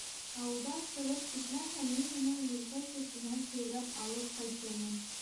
Ауылдан сығып китмәһә, мин уның елкә сәсенән һөйрәп алып ҡайтырмын.